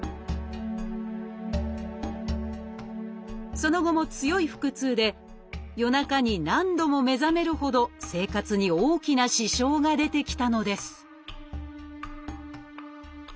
その後も強い腹痛で夜中に何度も目覚めるほど生活に大きな支障が出てきたのです